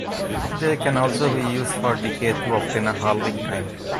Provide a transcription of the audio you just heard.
They can also be used for decay to obtain a halving time.